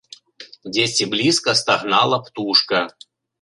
Дзесьці блізка стагнала птушка.